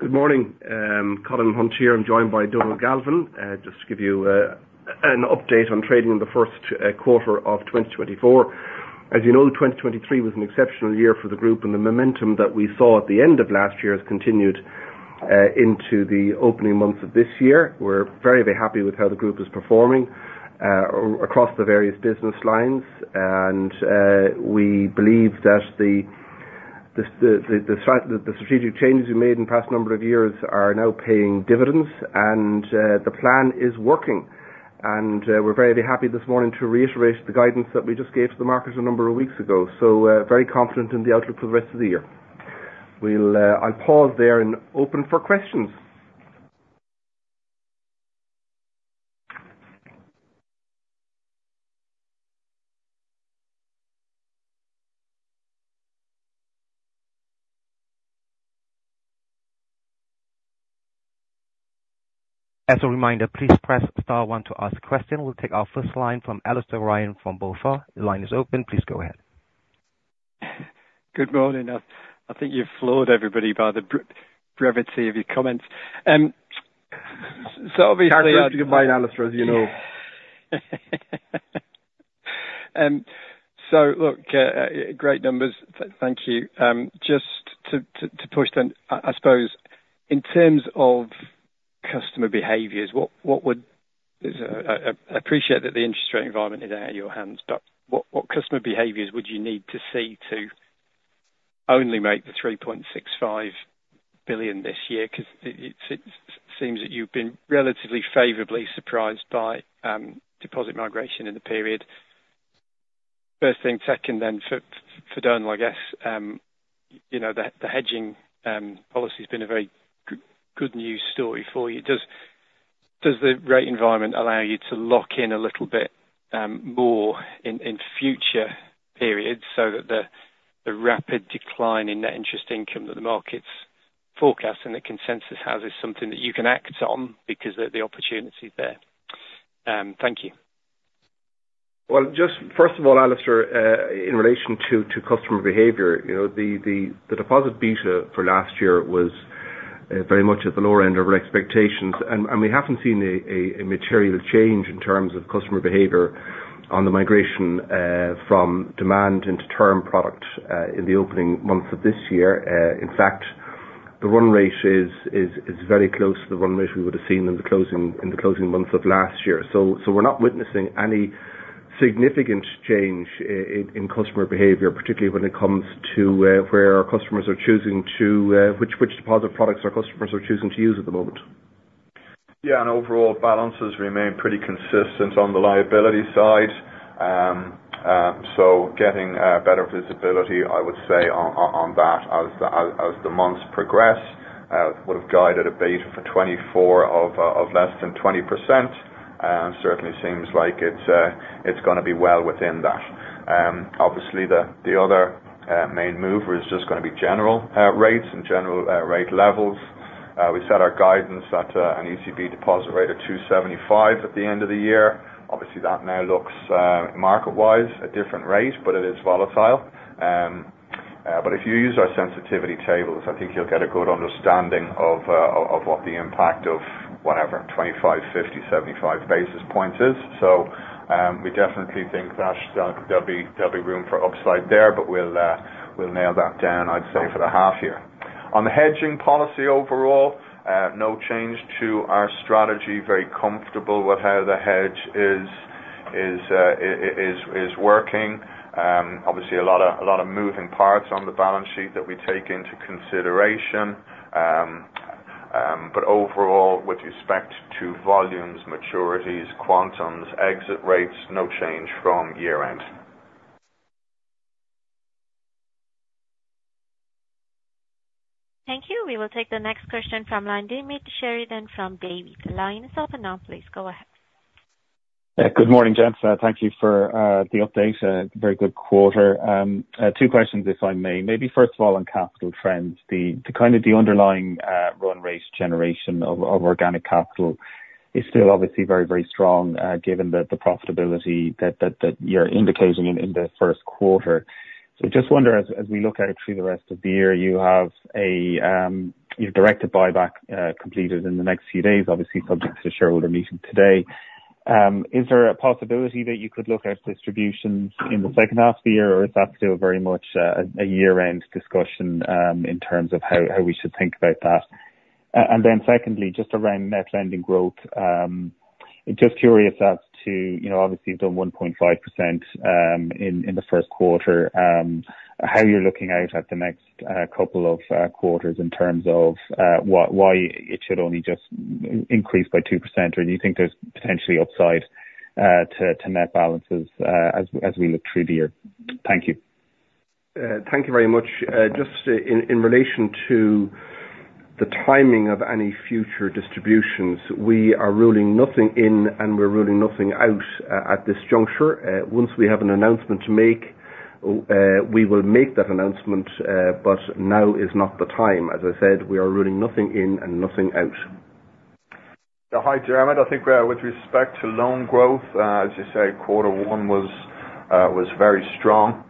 Good morning. Colin Hunt here. I'm joined by Donal Galvin, just to give you an update on trading in the first quarter of 2024. As you know, 2023 was an exceptional year for the group, and the momentum that we saw at the end of last year has continued into the opening months of this year. We're very, very happy with how the group is performing across the various business lines. And, we believe that the strategic changes we made in the past number of years are now paying dividends, and the plan is working. And, we're very, very happy this morning to reiterate the guidance that we just gave to the markets a number of weeks ago. So, very confident in the outlook for the rest of the year. We'll, I'll pause there and open for questions. As a reminder, please press star one to ask a question. We'll take our first line from Alastair Ryan from BofA. The line is open. Please go ahead. Good morning. I think you've floored everybody by the brevity of your comments. So obviously. Hard to remind Alistair, as you know. So look, great numbers. Thank you. Just to push then, I suppose, in terms of customer behaviors, what would I appreciate that the interest rate environment is out of your hands, but what customer behaviors would you need to see to only make the 3.65 billion this year? 'Cause it seems that you've been relatively favorably surprised by deposit migration in the period. First thing taken, then, for Donal, I guess, you know, the hedging policy's been a very good news story for you. Does the rate environment allow you to lock in a little bit more in future periods so that the rapid decline in net interest income that the market's forecasting that consensus has is something that you can act on because the opportunity's there? Thank you. Well, just first of all, Alistair, in relation to customer behavior, you know, the deposit beta for last year was very much at the lower end of our expectations. And we haven't seen a material change in terms of customer behavior on the migration from demand into term product in the opening months of this year. In fact, the run rate is very close to the run rate we would have seen in the closing months of last year. So we're not witnessing any significant change in customer behavior, particularly when it comes to which deposit products our customers are choosing to use at the moment. Yeah. Overall, balances remain pretty consistent on the liability side. So, getting better visibility, I would say, on that as the months progress, would have guided a beta for 2024 of less than 20%. Certainly seems like it's gonna be well within that. Obviously, the other main mover is just gonna be general rates and general rate levels. We set our guidance at an ECB deposit rate of 2.75 at the end of the year. Obviously, that now looks, market-wise, a different rate, but it is volatile. But if you use our sensitivity tables, I think you'll get a good understanding of what the impact of whatever 25, 50, 75 basis points is. So, we definitely think that there'll be room for upside there, but we'll nail that down, I'd say, for the half-year. On the hedging policy overall, no change to our strategy. Very comfortable with how the hedge is working. Obviously, a lot of moving parts on the balance sheet that we take into consideration. But overall, with respect to volumes, maturities, quantums, exit rates, no change from year-end. Thank you. We will take the next question from line Diarmaid Sheridan from Davy. Line is open now. Please go ahead. Yeah. Good morning, gents. Thank you for the updates. Very good quarter. Two questions, if I may. Maybe first of all, on capital trends. The kind of the underlying run rate generation of organic capital is still obviously very, very strong, given the profitability that you're indicating in the first quarter. So I just wonder, as we look out through the rest of the year, you have a directed buyback completed in the next few days, obviously subject to the shareholder meeting today. Is there a possibility that you could look at distributions in the second half of the year, or is that still very much a year-end discussion, in terms of how we should think about that? And then secondly, just around net lending growth, just curious as to, you know, obviously, you've done 1.5% in the first quarter. How you're looking out at the next couple of quarters in terms of why it should only just increase by 2%, or do you think there's potentially upside to net balances as we look through the year? Thank you. Thank you very much. Just, in relation to the timing of any future distributions, we are ruling nothing in, and we're ruling nothing out, at this juncture. Once we have an announcement to make, we will make that announcement, but now is not the time. As I said, we are ruling nothing in and nothing out. Yeah. Hi, Jeremy. I think, with respect to loan growth, as you say, quarter one was very strong.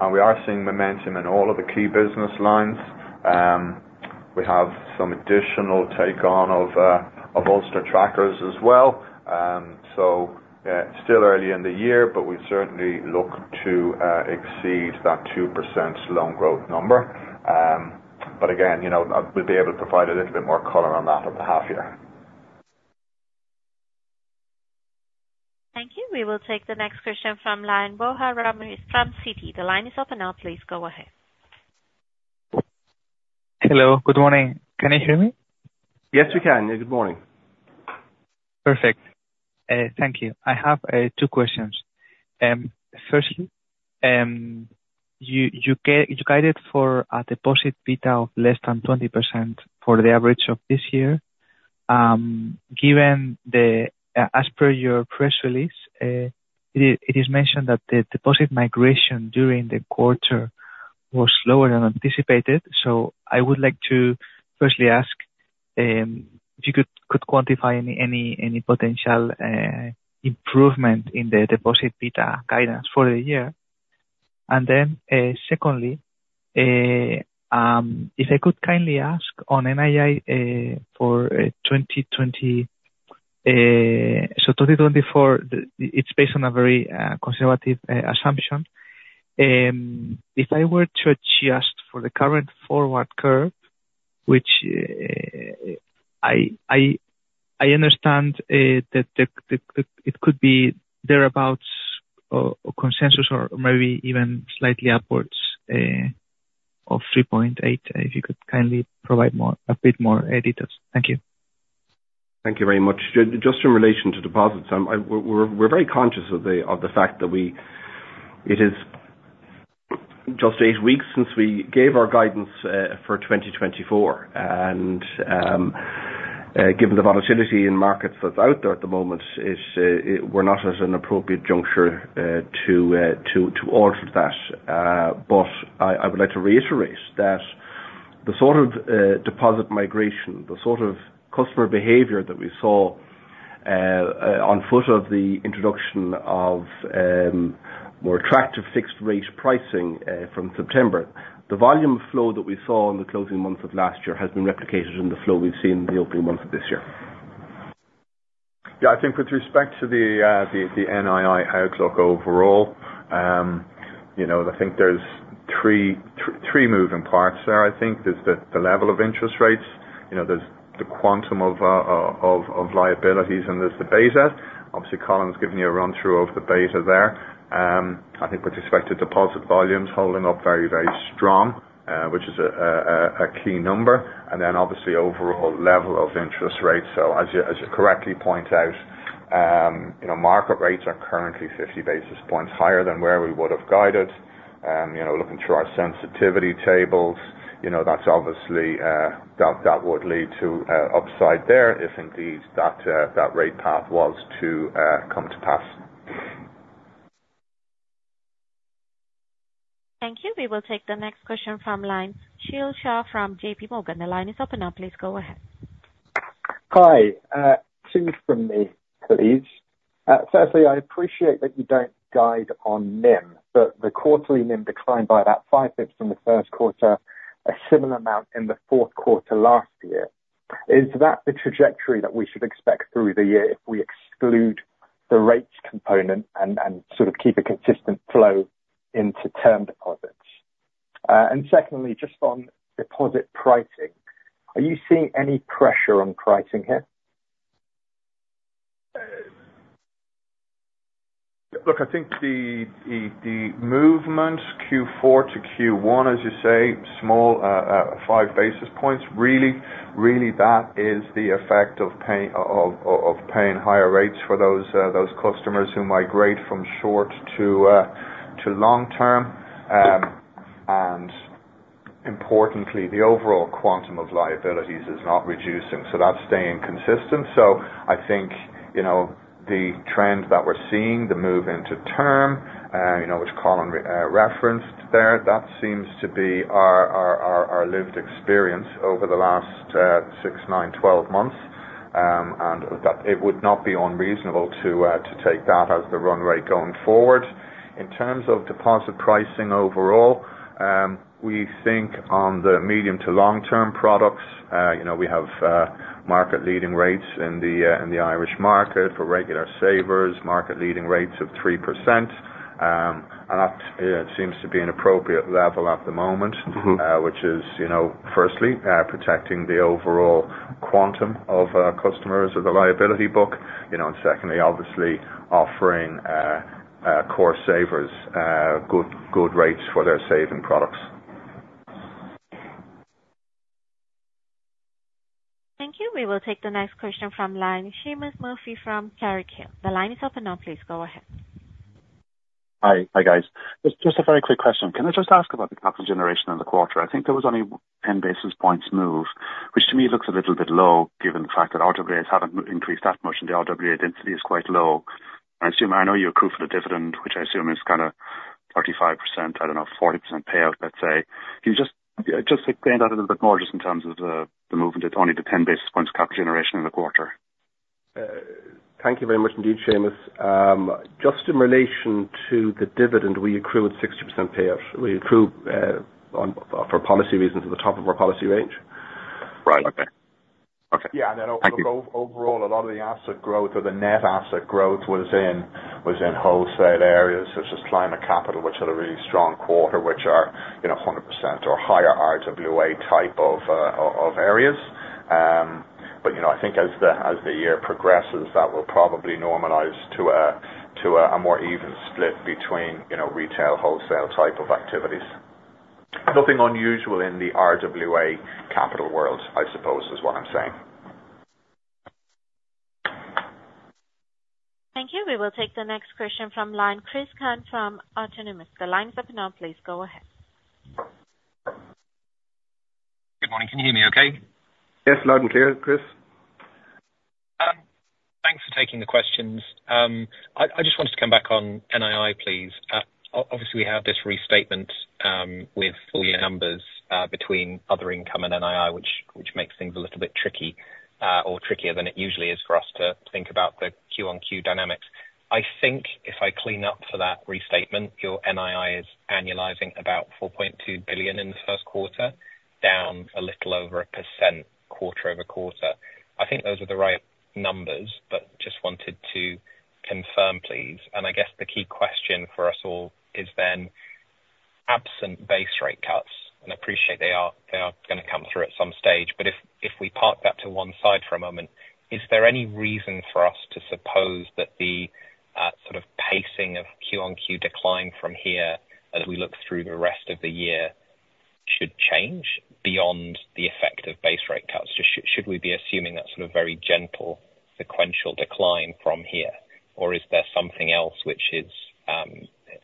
And we are seeing momentum in all of the key business lines. We have some additional take-on of Ulster trackers as well. So, yeah, still early in the year, but we certainly look to exceed that 2% loan growth number. But again, you know, we'll be able to provide a little bit more color on that at the half-year. Thank you. We will take the next question from line Borja Ramirez from Citi. The line is open now. Please go ahead. Hello. Good morning. Can you hear me? Yes, we can. Good morning. Perfect. Thank you. I have 2 questions. Firstly, you guided for a deposit beta of less than 20% for the average of this year. Given, as per your press release, it is mentioned that the deposit migration during the quarter was lower than anticipated. So I would like to firstly ask, if you could quantify any potential improvement in the deposit beta guidance for the year. And then, secondly, if I could kindly ask, on NII for 2024, it's based on a very conservative assumption. If I were to adjust for the current forward curve, which I understand that it could be thereabouts or consensus or maybe even slightly upwards of 3.8, if you could kindly provide a bit more color. Thank you. Thank you very much. Just in relation to deposits, we're very conscious of the fact that it is just eight weeks since we gave our guidance for 2024. Given the volatility in markets that's out there at the moment, we're not at an appropriate juncture to alter that. But I would like to reiterate that the sort of deposit migration, the sort of customer behavior that we saw on foot of the introduction of more attractive fixed-rate pricing from September, the volume flow that we saw in the closing months of last year has been replicated in the flow we've seen in the opening months of this year. Yeah. I think with respect to the NII outlook overall, you know, I think there's three moving parts there, I think. There's the level of interest rates. You know, there's the quantum of liabilities, and there's the beta. Obviously, Colin's given you a run-through of the beta there. I think with respect to deposit volumes, holding up very, very strong, which is a key number. And then obviously, overall level of interest rates. So as you correctly point out, you know, market rates are currently 50 basis points higher than where we would have guided. You know, looking through our sensitivity tables, you know, that's obviously that would lead to upside there if indeed that rate path was to come to pass. Thank you. We will take the next question from Sheel Shah from JPMorgan. The line is open now. Please go ahead. Hi. Two from me, please. Firstly, I appreciate that you don't guide on NIM, but the quarterly NIM declined by about 5 basis points in the first quarter, a similar amount in the fourth quarter last year. Is that the trajectory that we should expect through the year if we exclude the rates component and sort of keep a consistent flow into term deposits? And secondly, just on deposit pricing, are you seeing any pressure on pricing here? Look, I think the movement Q4 to Q1, as you say, small, 5 basis points, really, really that is the effect of paying higher rates for those customers who migrate from short to long term. And importantly, the overall quantum of liabilities is not reducing, so that's staying consistent. So I think, you know, the trend that we're seeing, the move into term, you know, which Colin referenced there, that seems to be our lived experience over the last six, nine, 12 months. And that it would not be unreasonable to take that as the run rate going forward. In terms of deposit pricing overall, we think on the medium to long-term products, you know, we have market-leading rates in the Irish market for regular savers, market-leading rates of 3%. That seems to be an appropriate level at the moment. Mm-hmm. which is, you know, firstly, protecting the overall quantum of customers of the liability book. You know, and secondly, obviously, offering core savers good, good rates for their savings products. Thank you. We will take the next question from line Seamus Murphy from Carraighill. The line is open now. Please go ahead. Hi. Hi, guys. Just, just a very quick question. Can I just ask about the capital generation in the quarter? I think there was only 10 basis points move, which to me looks a little bit low given the fact that RWAs haven't increased that much, and the RWA density is quite low. I assume I know you accrue for the dividend, which I assume is kinda 35%, I don't know, 40% payout, let's say. Can you just, just explain that a little bit more just in terms of the, the movement? It's only the 10 basis points capital generation in the quarter. Thank you very much indeed, Seamus. Just in relation to the dividend, we accrue at 60% payout. We accrue, on for policy reasons at the top of our policy range. Right. Okay. Okay. Yeah. And then overall, a lot of the asset growth or the net asset growth was in wholesale areas, such as Climate Capital, which had a really strong quarter, which are, you know, 100% or higher RWA type of, of areas. But you know, I think as the year progresses, that will probably normalize to a more even split between, you know, retail, wholesale type of activities. Nothing unusual in the RWA capital world, I suppose, is what I'm saying. Thank you. We will take the next question from line Chris Cant from Autonomous. The line's open now. Please go ahead. Good morning. Can you hear me okay? Yes. Loud and clear, Chris. Thanks for taking the questions. I just wanted to come back on NII, please. Obviously, we have this restatement, with full-year numbers, between other income and NII, which makes things a little bit tricky, or trickier than it usually is for us to think about the Q-on-Q dynamics. I think if I clean up for that restatement, your NII is annualizing about 4.2 billion in the first quarter, down a little over 1% quarter-over-quarter. I think those are the right numbers, but just wanted to confirm, please. And I guess the key question for us all is then absent base-rate cuts. And I appreciate they are they are gonna come through at some stage. But if we park that to one side for a moment, is there any reason for us to suppose that the sort of pacing of Q on Q decline from here as we look through the rest of the year should change beyond the effect of base-rate cuts? Just should we be assuming that sort of very gentle, sequential decline from here, or is there something else which is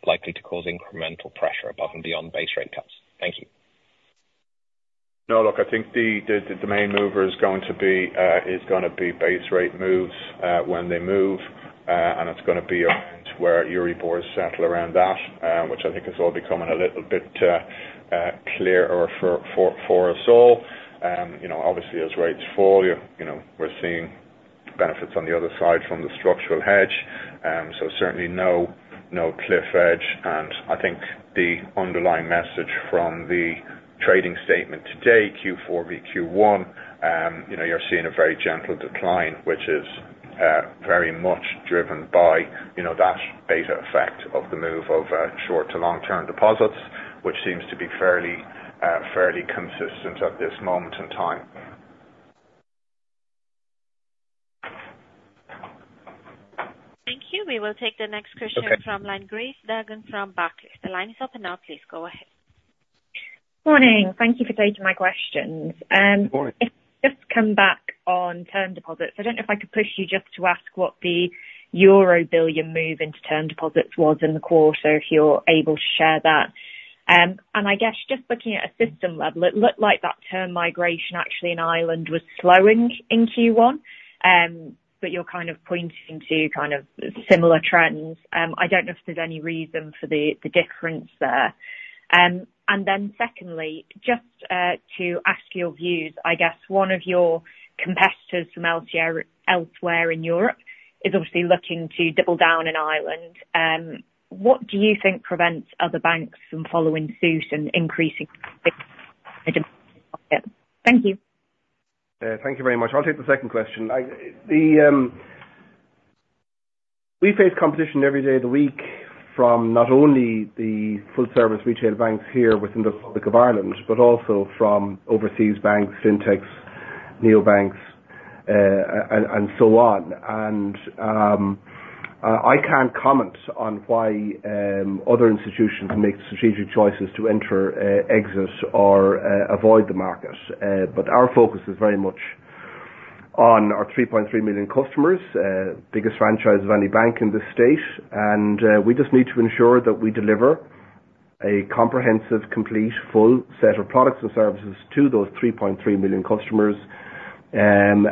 likely to cause incremental pressure above and beyond base-rate cuts? Thank you. No. Look, I think the main mover is going to be, is gonna be base-rate moves, when they move. And it's gonna be around where Euribor is settled around that, which I think is all becoming a little bit clearer for us all. You know, obviously, as rates fall, you know, we're seeing benefits on the other side from the structural hedge. So certainly no cliff edge. And I think the underlying message from the trading statement today, Q4 v Q1, you know, you're seeing a very gentle decline, which is very much driven by, you know, that beta effect of the move of short to long-term deposits, which seems to be fairly consistent at this moment in time. Thank you. We will take the next question. Okay. From line Grace Dargan from Barclays. The line is open now. Please go ahead. Morning. Thank you for taking my questions. Good morning. If I could just come back on term deposits. I don't know if I could push you just to ask what the euro billion move into term deposits was in the quarter, if you're able to share that. And I guess just looking at a system level, it looked like that term migration, actually, in Ireland was slowing in Q1, but you're kind of pointing to kind of similar trends. I don't know if there's any reason for the difference there. And then secondly, just to ask your views, I guess one of your competitors from elsewhere in Europe is obviously looking to double down in Ireland. What do you think prevents other banks from following suit and increasing the demand in the market? Thank you. Thank you very much. I'll take the second question. In the, we face competition every day of the week from not only the full-service retail banks here within the Republic of Ireland but also from overseas banks, fintechs, neobanks, and so on. And, I can't comment on why other institutions make strategic choices to enter, exit, or avoid the market. But our focus is very much on our 3.3 million customers, biggest franchise of any bank in the state. And, we just need to ensure that we deliver a comprehensive, complete, full set of products and services to those 3.3 million customers, in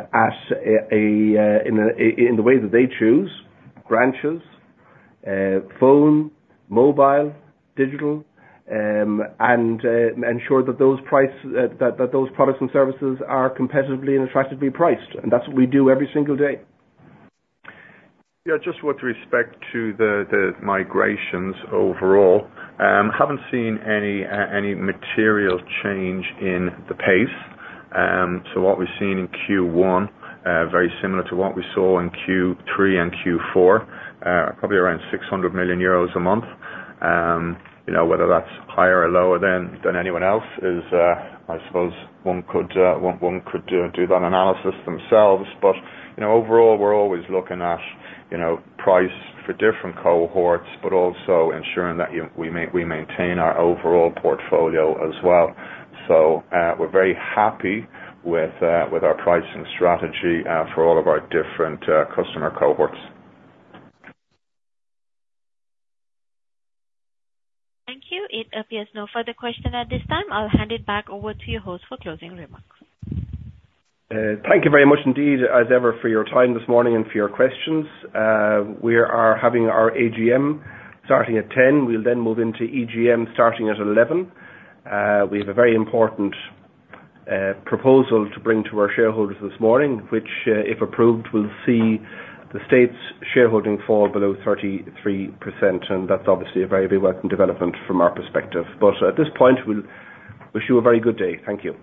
the way that they choose: branches, phone, mobile, digital, and ensure that those products and services are competitively and attractively priced. And that's what we do every single day. Yeah. Just with respect to the migrations overall, haven't seen any material change in the pace. So what we've seen in Q1, very similar to what we saw in Q3 and Q4, probably around 600 million euros a month. You know, whether that's higher or lower than anyone else is, I suppose one could do that analysis themselves. But, you know, overall, we're always looking at, you know, price for different cohorts but also ensuring that we maintain our overall portfolio as well. So, we're very happy with our pricing strategy, for all of our different customer cohorts. Thank you. It appears no further question at this time. I'll hand it back over to your host for closing remarks. Thank you very much indeed, as ever, for your time this morning and for your questions. We are having our AGM starting at 10:00 A.M. We'll then move into EGM starting at 11:00 A.M. We have a very important proposal to bring to our shareholders this morning, which, if approved, will see the State's shareholding fall below 33%. And that's obviously a very, very welcome development from our perspective. But at this point, we'll wish you a very good day. Thank you.